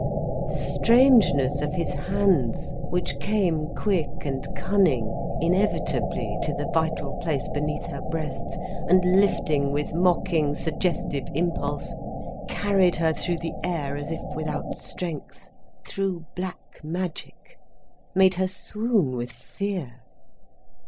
The strangeness of his hands, which came quick and cunning, inevitably to the vital place beneath her breasts, and, lifting with mocking, suggestive impulse, carried her through the air as if without strength, through blackmagic, made her swoon with fear.